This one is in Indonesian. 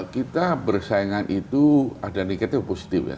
kita bersaingan itu ada negatif dan positif ya